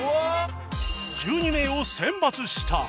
１２名を選抜した